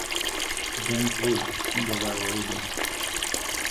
Я не твой, снеговая уродина.